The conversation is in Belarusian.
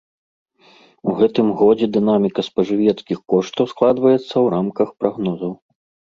У гэтым годзе дынаміка спажывецкіх коштаў складваецца ў рамках прагнозаў.